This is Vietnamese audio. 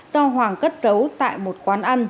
do hoàng cất giấu tại một quán ăn